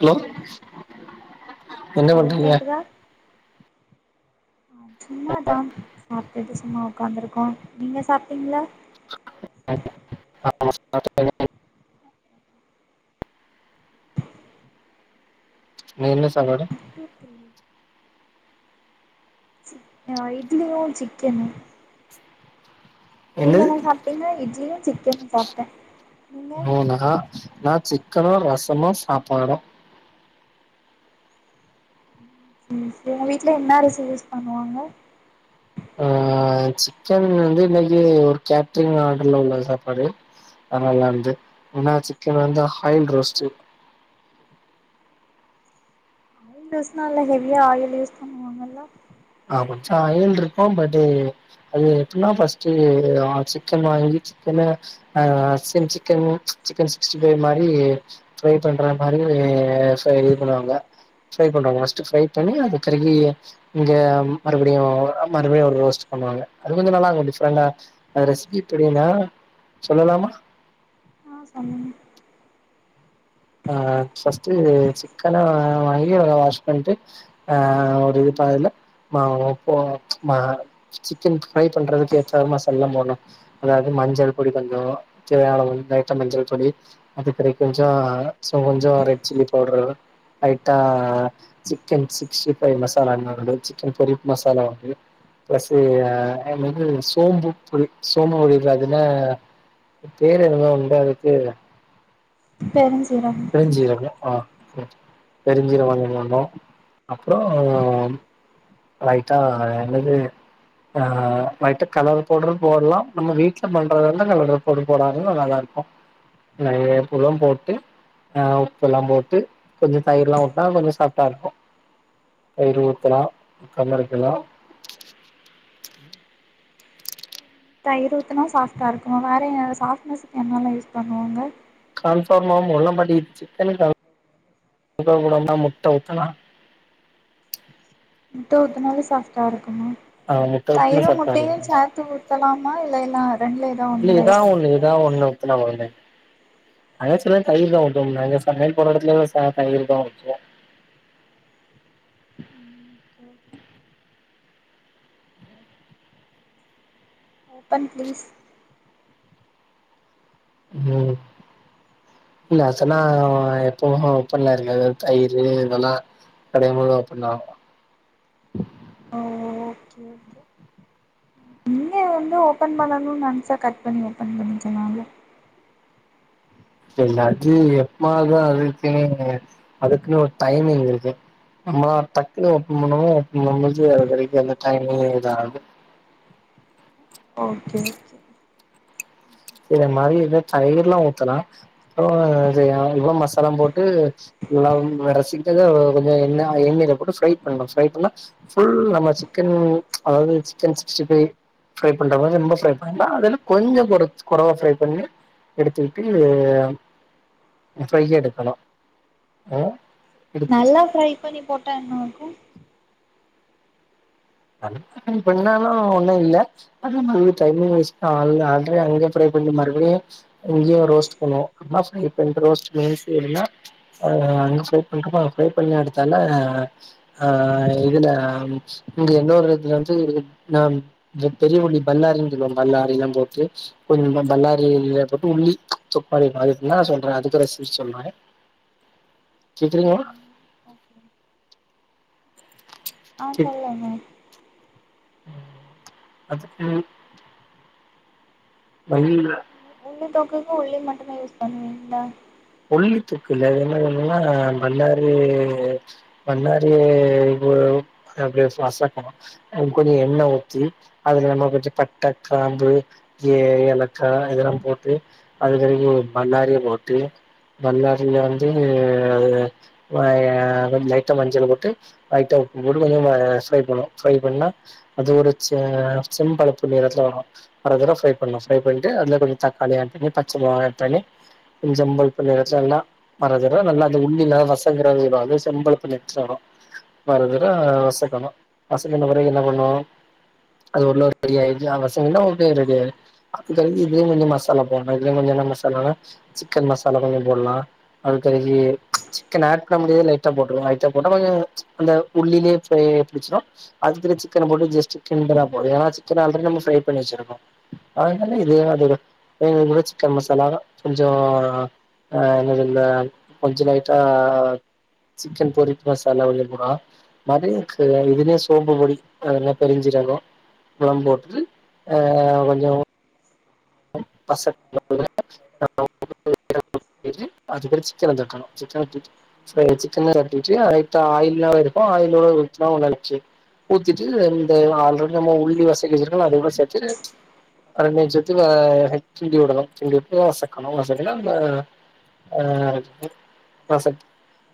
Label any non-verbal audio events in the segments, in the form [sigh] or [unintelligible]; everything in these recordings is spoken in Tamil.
ஹலோ என்ன ஹலோ பண்றீங்க கேக்குதா சும்மாதா சாப்ட்டுட்டு சும்மா உக்காந்துருகோ நீங்க சாப்ட்டீங்களா ஆ [inaudible] இன்னைக்கு என்ன சாப்பாடு [unintelligible] இட்லியும் சிக்கனும் நீங்க என்னது? என்ன சாப்ட்டீங்க இட்லியும் சிக்கனு சாப்ட்ட நீங்க என்னக்கா நா சிக்கனும் ரசமும் சாப்பாடும் ம் உங்க வீட்டுல என்ன அரிசி யூஸ் பண்ணுவாங்க ஆ சிக்கன் வந்து இன்னைக்கி ஒரு கேட்ரிங் ஆர்டர்ல உள்ள சாப்பாடு அது நல்லா இருந்து ஏன்னா சிக்கன் வந்து ஹாயில் ரோஸ்டு ஹைரோஸ்ட்னா நல்லா ஹெவியா ஆயில் யூஸ் பண்ணுவாங்கல்ல ஆ மச்சா ஏழ் இருக்கோ பட் டு் அது எப்டினா ஃபர்ஸ்ட் ஆ சிக்கன் வாங்கி சிக்கன ஆ சென் சிக்கன் சிக்கன் சிக்ஸ்டி ஃபைவ் மாரி ஃப்ரை பண்ற மாரி சோ இது பண்ணுவாங்க ஃப்ரை பண்ணுவாங்க ஃபர்ஸ்ட் ஃப்ரை பண்ணி அது கருகி இங்க மறுபடியு ஆ மறுபடியு ஒரு ரோஸ்ட் பண்ணுவாங்க அது கொஞ்சோ நல்லா இருக்கு டிப்ரெண்டா ஆ ரெசிபி எப்டினா சொல்லலாமா ஆ சொல்லுங்க ஆ ஃபர்ஸ்ட் சிக்கன வாங்கி அத வாஸ் பண்ட்டு ஆ ஒரு இது ப அதுல மா ஓ போ மா சிக்கன் ஃப்ரை பண்றதுக்கு ஏத்த மசால்லா போடனு அதாவது மஞ்சள் பொடி கொஞ்சோ தேவையான அளவு வந்து அதுக்கேத்த மஞ்சள் பொடி அது பெறகு கொஞ்சோ சொவன்ஜோ ரெட் சில்லி பவுடரு லைட்டா சிக்கன் சிக்ஸ்டி ஃபைவ் மசாலா என்ன உண்டு சிக்கன் பொரிப் மசாலா உண்டு பிளஸ் அண்ட் வந்து சோம்பு பொடி சோம்பு பிடிக்காதுன்னா பேர் என்ன உண்டா அதுக்கு பெருஞ்சீரகம் பெருஞ்சீரகோ ஆ பெருஞ்சீரகோ வாங்கினு வந்தோ அப்பறோ லைட்டா என்னது ஆ லைட்டா கலர் பவுடரு போடலா நம்ம வீட்ல பண்றதா இருந்தா கலர் பொடி போடதது நல்லாதா இருக்கு நெறைய உப்புல்லா போட்டு ஆ உப்பு எல்லா போட்டு கொஞ்சோ தயிர்லா ஊத்துனா கொஞ்சோ சாஃப்ட்டா இருக்கு தயிறு ஊத்தனா சிக்கன் இருக்குல்ல தயிறு ஊத்துனா சாஃப்ட்டா இருக்கு வேற சாஃப்ட்னஸ்க்கு என்னெல்லா யூஸ் பண்ணுவாங்க கார்ன் ஃப்ளோர் மாவு மொதல்ல மாட்டிக்கிருச்சி சிக்கனுக்கு [inaudible] முட்ட ஊத்தலா முட்ட ஊத்துனாலே சாஃப்ட்டா இருக்குமா ஆ முட்ட ஊத்துனா தயிறு சாஃப்டா முட்டையு இருக்கு சேத்து ஊத்தலாமா இல்லைன்னா ரெண்டுல ஏதா இல்ல ஒணனுதா எதா யூஸ் ஒண்ணு எதா ஒண்ணு ஊத்துனா போதுங்க அதா சொல்றேன்ல தயிர்தா ஊத்துவோம்னு அங்க சமையல் போற எடத்துலயு சா தயிர்தா ஊத்துவோ இதோ இன்னொரு டைம் பிளீஸ் இதோ இல்ல அத சொன்னா எப்பவு ஒப்பன்ல இருக்காது தயிர் இதெல்லா கடையம் போது அப்டிதா ஆகு ம் ஓகே ஓகே நீங்க வந்து ஓப்பன் பண்ணணுன்னு நெனச்சா கட் பண்ணி ஓப்பன் பண்ணிகலால்ல எல்லாத்தையு எப்பவாதுதா அதுக்குன்னு அதுகுன்னு ஒரு டைமிங் இருக்கு நம்மளால டக்குன்னு ஒப்பன் பண்வோ ஒப்பன் பண்ணுபோது அது வரைக்கு அந்த டைம் இதா ஆகாது ஓகே ஓகே இந்த மாதிரி இது தயிர் லா ஊத்துனே அப்பறோ இது இவ்ளோ மசாலாவு போட்டு எல்லா வந்து ரசிக்கதா கொஞ்சோ எண்ணெய் எண்ணெயில போட்டு ஃப்ரை பண்ணலா ஃப்ரை பண்ணா ஃபுல் நம்ம சிக்கன் அதாவது சிக்கன் சிக்ஸ்டி ஃபைவ் ஃப்ரை பண்ற மாரி ரொம்ப ஃப்ரை பண்ண வேண்டா அதுல கொஞ்சோ கொரச் கொறவா ஃப்ரை பண்ணி எடுத்துகிட்டு ஃப்ரை எடுக்கணு ஆ எடுத்துட்டு நல்லா ஃப்ரை பண்ணி போட்டா என்ன ஆகு சிக்கன் பண்ணாலு ஒண்ணு இல்ல ஃபுல் டைமு வேஸ்ட் தா அத அதுவே அங்கேயே ப்ரை பண்ணி மறுபடியு இங்கேயு ரோஸ்ட் பண்ணுவோ [unintelligible] இந்த ரோஸ்ட் பண்ணி [unintelligible] ஆ அங்க ஃப்ரை பண்றப்போ அது ஃப்ரை பண்ணி எடுத்தால ஆ இதுல இங்க இன்னோரு இதுல வந்து நாம் இங்க பெரியவள்ளி பல்லாரின்னு சொல்லுவோ பல்லாரில்லா போட்டு கொஞ்ச பல்லாரில்லா போட்டு உள்ளி சோ பழைய காலத்துலா சொல்ற அதுக்கு ரெசிப்பி சொல்ற கேக்குறீங்களா [inaudible] ஆ சொல்லுங்க ம் அதுக்கு வழியில்ல உள்ள தொக்குக்கு உள்ளி மட்டுந்தா யூஸ் பண்ணுவீங்களா உள்ளி தொக்குல்ல அது என்ன சொன்னனா பல்லாரி பல்லாரி இதுவு அப்படியே மசக்கணு ஆ கொஞ்சோ எண்ணெ ஊத்தி அதுல நம்ம கொஞ்ச பட்ட கிராம்பு கீ ஏலக்கா இதெல்லா போட்டு அதுக்கடுக்கு பல்லாரிய போட்டு பல்லாாரில வந்து ஆ கொஞ்ச லைட்டா மஞ்சள போட்டு லைட்டா உப்பு போட்டு கொஞ்ச ஆ ஃப்ரை பண்ணு ஃப்ரை பண்ணா அது ஒரு ச செம்பழுப்பு நிறத்துல வரு வரகற ஃப்ரை பண்ணு ஃப்ரை பண்ட்டு அதுல கொஞ்ச தக்காளி ஆட் பண்ணி பச்சமொளகா ஆட் பண்ணி கொஞ்ச செம் பழுப்பு நிறத்துல நல்லா மறஞ்சிரு நல்லா அந்த உள்ளிலா வசங்கற வந்து செம்பழுப்பு நிறத்துல வரு வரதுல வசக்கணு வசப்புன பெறகு என்ன பண்ணு அது உள்ள [unintelligible] ஆயிடுச்சு வசங்குனா ரெடியாயிரு அதுக்கடுத்து இதுலயு கொஞ்ச மசாலா போட்லா இதுலயு கொஞ்ச என்ன மசாலானா சிக்கன் மசாலா கொஞ்ச போட்லா அதுக்கடுத்து சிக்கன் ஆட் பண்ணம்போதே லைட்டா போட்ருனு லைட்டா போட்டா கொஞ்ச அந்த உள்ளிலே ஃப்ரை புடிச்சிடு அதுக்கு சிக்கன போட்டு ஜஸ்ட்டு கிண்டுனா போது ஏன்னா சிக்கன் ஆல்ரெடி நம்ம ஃப்ரை பண்ணி வச்சிருக்கோ அதனால இது அதோட இன்னுங்க கூட சிக்கன் மசாலாவ கொஞ்சோ ஆ என்ன சொல்ல கொஞ்ச லைட்டா சிக்கன் பொறிப்பு மசாலா கொஞ்ச போடலா மதேக்கு இதுலேயே சோம்பு பொடி அதெல்லா பெருஞ்சீரக உப்லா போட்டு ஆ கொஞ்ச [inaudible] [inaudible] அது கூட சிக்கன தூக்கணு சிக்கன தூக்கி ஃப்ரை சிக்கன பெரட்டிட்டு லைட்டா ஆயில்லாவு இருக்கு ஆயிலோடா [unintelligible] ஊத்திட்டு இந்த ஆல்ரெடி நம்ம உள்ளி வசக்கி வச்சிருக்கோல அது கூட சேத்து [unintelligible] ஆ கிண்டி விடணு கிண்டி விட்டு வசக்கணு வசக்குனா அந்த ஆ வசக்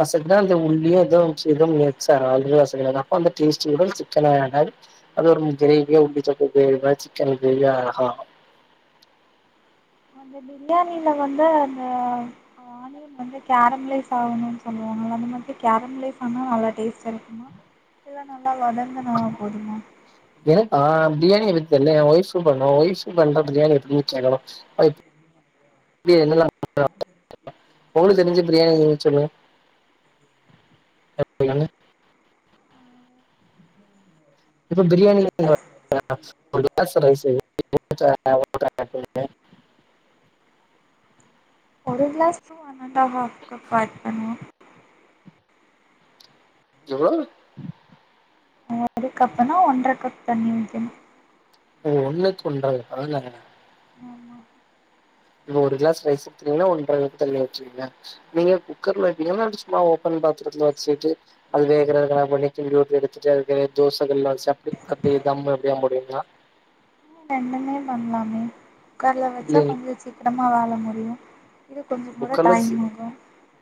வசக்குனா அந்த உள்ளியு இது இதும் மிக்ஸாயி ஆல்ரெடி வசக்குனதா அந்த டேஸ்ட்டியோட சிக்கனு ஆட் ஆகி அது ஒரு கிரேவியா உள்ளி சப்பாத் கிரேவி மார் சிக்கன் கிரேவி மார் ஆ அந்த பிரியாணில வந்து அந்த ஆ ஆனியன் வந்து கேரம்லேஸ் ஆகனுன் சொல்லுவாங்கள அந்த மாதிரி கேரம்லேஸ் ஆனா நல்லா டேஸ்டா இருக்குமா எல்லா நல்லா வளர்ந்துனா போதுமா எனக்கா பிரியாணிய பத்தி தெர்ல ஏ ஒய் சூப்பருங்க ஒய்ப்ஸ் வந்தா பிரியாணி எப்பிடி கேக்கனு ஒய்ப் அவ என்னெல்லா ஒங்களுக்கு தெரிஞ்ச பிரியாணி கொஞ்சோ சொல்லுங்க சொல்லுங்க இப்போ பிரியாணி [inaudible] ஒரு glass one and half cut பண்ணுவோ எவ்வோள் ஒரு கப்புனா ஒன்ற கப் தண்ணி வெக்கனு ஓ ஒண்ணுக் ஒன்ற பரஞ்சாங்களா ஆமா இங்க ஒரு கிளஸ் ரைஸ் ஊத்துனீங்னா ஒன்றர லிட்டர் தண்ணி வச்வீங்ளா நீங்க குக்கர்ல வப்பிங்களா சும்மா ஓப்பன் பாத்தரத்துல வச்சிட்டு அது வேகுற எதனா [unintelligible] வச்சிட்டு அதுக்கிற தோச கல்ல வச்சு அப்டி அப்டி தம் அப்டியா போடுவிங்ளா ரெண்டுமே பண்லாமே குக்கர்ல வச்சா இல்லைங் கொஞ்சோ சீக்கிரமா வேல முடியு இது கொஞ்சோ கூட முக்கால் டைம் அரிசி ஆகு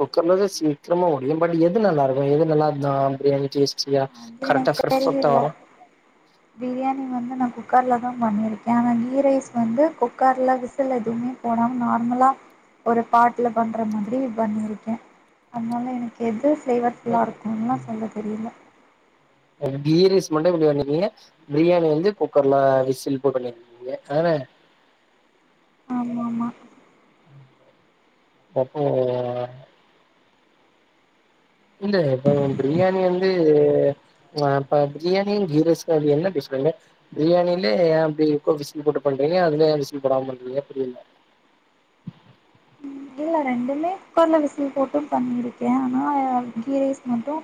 குக்கர்ல தா சீக்கிரமா முடியு பட் எது நல்லா இருக்கு எது நல்லா இருந்தா பிரியாணி டேஸ்டியா அது கரெக்டா எனக்கு பெர்ஃபெக்ட்டா தெரியில வரும் பிரியாணி வந்து நா குக்கர்ல தா பண்ணிருக்கே ஆனா கீ ரைஸ் வந்து குக்கர்ல விசில் எதுவுமே போடாம நார்மலா ஒரு பாட்ல பண்ற மாதிரி பண்ணிருக்கே அதனால எனக்கு எது ஃபிளேவர் ஃபுல்லா இருக்கும்லா சொல்ல தெரியில ஆ கீ ரைஸ் மட்டு இப்ப பண்ணிருக்கீங்க பிரியாணி வந்து குக்கர்ல விசில் இப்ப பண்ணிருக்கீங்க [unintelligible] ஆமா ஆமா அப்போ இல்ல இப்போ பிரியாணி வந்து ஆ இப்ப பிரியாணியு கீ ரைஸ்க்கு அப்டி என்ன டிஃப்ரெண்டு பிரியாணிலே ஏ அப்டி இருக்கோ விசில் போட்டு பண்றீங்க அதுலயா விசில் போடாம பண்றீங்க புரியில இல்ல ரெண்டுமே குக்கர்ல விசில் போட்டு பண்ணிருக்கே ஆனா கீ ரைஸ் மட்டு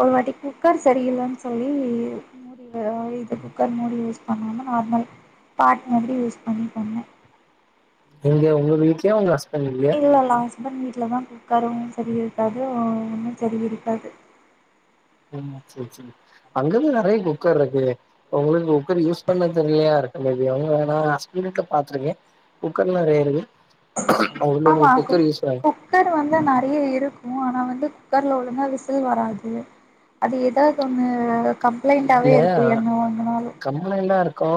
ஒரு வாட்டி குக்கர் செரியில்லன் சொல்லி இந் மாரி ஒ இது குக்கர் மூடி யூஸ் பண்ணாம நார்மல் பாட் மாதிரி யூஸ் பண்ணி பண்ணே எங்க உங்க வீட்லயா உங்க ஹஸ் இல்ல இல்ல ஹஸ்பண்ட் வீட்ல தா குக்கரு சரி இருக்காது ஒன்னு சரி இருக்காது ம் சேரி சேரி அங்கதா நெறைய குக்கர் இருக்கு உங்களுக்கு குக்கர் யூஸ் பண்ண தெர்லயா இருக்கு மேரி அவுங்க நா ஹஸ்பண்ட் வீட்ல பாத்திருக்கே குக்கர்லா நெறையா இருக்கு அவங்க வீட்ல ஆமா உங்களுக்கு குக்கர் குக் யூஸ் பண்ண குக் கர் வந்து நெறைய இருக்கு ஆனா வந்து குக்கர்ல ஒழுங்கா விசில் வராது அது ஏதாவது ஒண்ணு கம்ப்ளைண்டாவே இருக்கு என்ன வாங்குனாலு ஆனா எல்லா இருக்கோ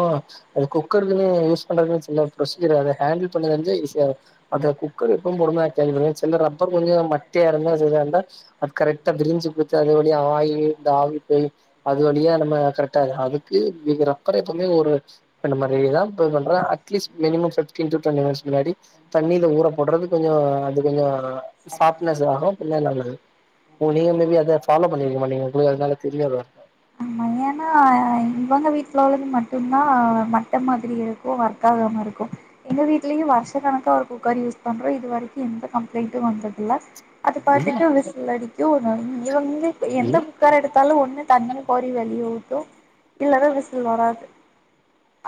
ஒரு குக்கருக்குனே யூஸ் பண்றதுன் சில ப்ரோசிஜர் அத ஹேண்டில் பண்ண தெரிஞ்சா ஈஸி தா அது குக்கர் எப்பவு [unintelligible] சில ரப்பர் கொஞ்சோ மட்டியா இருந்தா செரியா இருந்தா அது கரெக்ட்டா பிரிஞ்சி குடுத்து அது வழியா ஆயிலு இந்த ஆவி போய் அது வழியா நம்ம கரெட்டா அதுக்கு ரப்பர எப்பவுமே ஒரு பண்ண மாரியே தா போய் பண்றே அட்லீஸ்ட் [unintelligible] தண்ணில ஊற போட்றது கொஞ்சோ அது கொஞ்சோ சாப்ட்னஸ் ஆகு பின்ன நல்லது ஓ நீங்க மேபி அத ஃபாலோ பண்ணிருக்க மாட்டிங்க நீங்க உங்ளுக்கு அதனால தெரியாதா ஏனா இவங்க வீட்ல உள்ளது மட்டும்தா மட்ட மாதிரி இருக்கு ஒர்க் ஆகாம இருக்கு எங்க வீட்லயு வருஷ கணக்கா ஒரு குக்கர் யூஸ் பண்றோ இது வரைக்கு எந்த கம்ப்ளைண்ட்டு வந்ததுல்ல அது இல்ல பாட்டுக்கு விசில் அடிக்கு ஒ இவங்க எந்த இல்ல குக்கர எடுத்தாலு ஒண்ணு தண்ணிய கோறி வெளியே ஊத்தும் இல்லனா விசில் வராது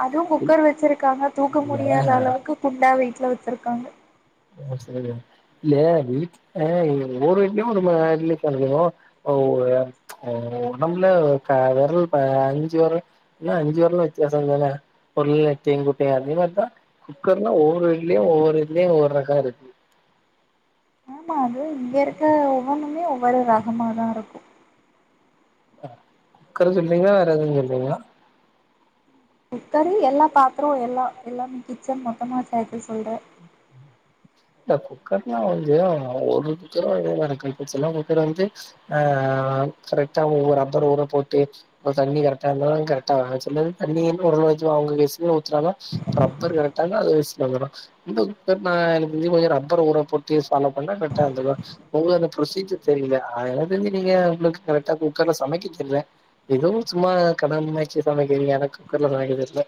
அதுவு குக்கர் வச்சிருக்காங்க தூக்க இல்ல முடியாத அளவுக்கு குண்டா வெயிட்ல வச்சிருக்காங்க ஆ சேரி இல்ல வீட்ல ஒவொரு வீட்லயு ஒரு மாரி [unintelligible] ஓ நம்மல க வெரல் ப ஐஞ்சு வெரல் இல்ல அஞ்சு வெரலு வித்தியாசம் தானே [unintelligible] அதே மாரிதா குக்கர்னா ஒவ்வொரு வீட்லயு ஒவ்வொரு இதுலயு ஒவ்வொரு ரகோ இருக்கு ஆமா அது இங்க இருக்க ஒவ்வொன்னுமே ஒவ்வொரு ரகமாதா இருக்கு குக்கர் சொல்லீங்களா வேற எதும் சொல்லிங்களா குக்கரு எல்லா பாத்தரோ எல்லா எல்லாமே கிச்சன் மொத்தமா சேத்து சொல்ற இந்த குக்கர்லா வந்து ஒரு குக்கரு இதல்லா இருக்கு சில குக்கர் வந்து ஆ கரெக்டா ஒவ்வொரு ரப்பர் ஊர போட்டு இப்ப தண்ணி கரெக்டா இருந்தாலு கரெக்டா சிலது தண்ணி ஒரளவு அவங்க [unintelligible] ஊத்துறாங்க ரப்பர் கரெக்டா இந்தா அது விசில் வந்ரு இந்த குக்கர் நா இங்க கொஞ்ச ரப்பர் ஊற போட்டு ஃபாலோ பண்ணா ரெட்டா வந்ரு ஒங்ளு அந்த ப்ரொசீஜர் தெரில அதனால தெரிஞ்ச நீங்க உங்களுக்கு கரெக்டா குக்கர்ல சமைக்க தெர்ல எதோ சும்மா கடமைக்கு சமைக்கிறீங்க ஏன்னா குக்கர்ல சமைக்க தெர்ல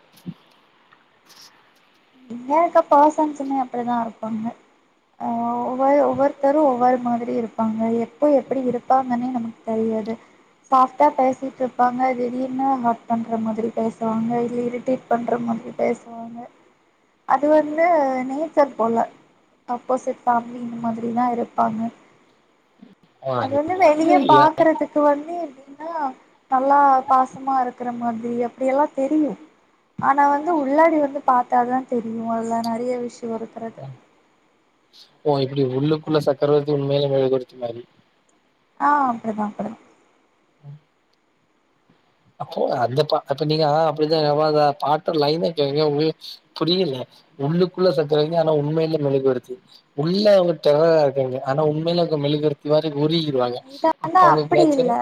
இங்க இருக்க பர்சன்ஸ்மே அப்டிதா இருப்பாங்க ஆ ஒவ்வொரு ஒவ்வொருத்தரும் ஒவ்வொரு மாதிரி இருப்பாங்க எப்போ எப்டி இருப்பாங்கன்னே நமக்கு தெரியாது சாஃப்ட்டா பேசிட்டுருப்பாங்க திடீர்னு ஹார்ட் பண்ற மாரி பேசுவாங்க இல்ல இரிடேட் பண்ற மாதிரி பேசுவாங்க அது வந்து நேச்சர் போல அப்போசிட் ஃபேமிலி இந்த மாதிரி தா இருப்பாங்க அது வந்து வெளிய ஆ பாக்றதுக் கு வந்து நல்லா பாசமா இருக்கற மாதிரி அப்டியல்லா தெரியு ஆனா வந்து உள்ளாடி வந்து பாத்தாதா தெரியு அதுல நெறைய விஷயம் இருக்றது ஓ இப்டி உள்ளுக்குள்ள சக்கரவர்த்தி உண்மையில மெழுகுவர்த்தி மாரி ஆ அப்டிதா அப்டிதா அப்போ அந்த பா அப்ப நீங்க அப்டித்தா பாட்ட லைன்னா கேக்க உங்களு புரியல உள்ளுக்குள்ள சக்கரைங்க ஆனா உண்மையில மெழுகுவர்த்தி உள்ள அவங்க டெரரா இருக்காங்க ஆனா உண்மையில அவங்க மெழுகிவர்த்தி மாரி உருகி டு வாங்க இது அப்ப ஆனா அவங்க அப்டி இல்ல நேச்சரு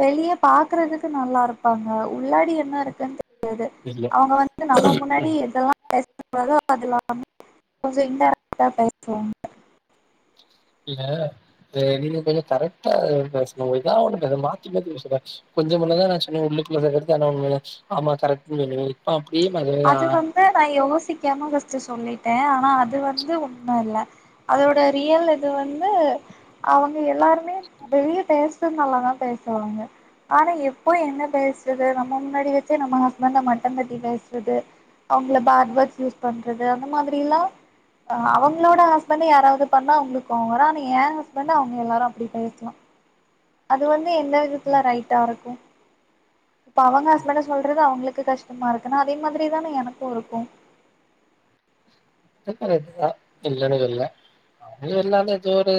வெளிய பாக்றதுக்கு நல்லா இருப்பாங்க உள்ளாடி என்ன இருக்குன்னு தெரியாது இல்ல அவங்க வந்து நம்ம முன்னாடி எதல்லா பேசக்கூடாது அதுலா கொஞ்சோ இன்டேரக்டா பேசுவோ இல்ல நீங்க கொஞ்ச கரெக்டா பேசணு இதா ஒண்ணு மாத்தி மாத்தி பேசற கொஞ்ச முன்ன தா நா சொன்னே உள்ளுக்குள்ள சக்ரவர்த்தி ஆனா உண்மையில ஆமா கரெக்டுனு சொன்னிங்க இப்ப அப்டியே மாத்தி யா இல்ல டா யோசிக்காம ஃபர்ஸ்ட் சொல்லிட்டே ஆனா அது வந்து உண்ம இல்ல அதோட ரியல் இது வந்து அவங்க எல்லாருமே வெளிய பேசுறது நல்லா தா பேசுவாங்க ஆனா எப்போ என்ன பேசுறது நம்ம முன்னாடி வச்சே நம்ம ஹஸ்பண்ட்ட மட்டந்தட்டி பேசு இது அவங்கள பேட் வேர்ட்ஸ் யூஸ் பண்றது அந்த மாதிரில்லா ஆ அவங்களோட ஹஸ்பண்ட் யாராவது பண்ணா அவங்களுக்கு கோவோ வரு ஆனா என் ஹஸ்பண்ட் அவங்க எல்லாரு அப்படி பேசலா அது வந்து எந்த விதத்துல ரைட்டா இருக்கு இப்ப அவங்க ஹஸ்பண்ட சொல்றது அவங்களுக்கு கஷ்டமா இருக்குணா அதே மாதிரி தானே எனக்கு இருக்கும் சொல்லுறது கரெக்ட் தா இல்லன சொல்ல அது எல்லாமே இது ஒரு